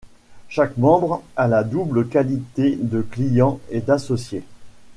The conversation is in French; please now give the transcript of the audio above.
Chaque membre a la double qualité de client et d’associé.